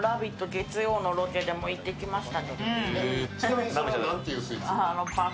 月曜のロケでも行ってきました。